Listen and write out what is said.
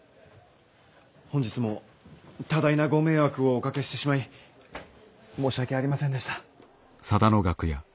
本日も多大なご迷惑をおかけしてしまい申し訳ありませんでした。